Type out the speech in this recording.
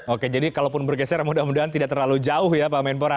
oke jadi kalaupun bergeser mudah mudahan tidak terlalu jauh ya pak menpora